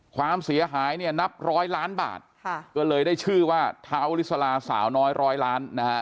ความเสียหายนับร้อยล้านบาทก็เลยได้ชื่อว่าท้าวลิสราสาวน้อยร้อยล้าน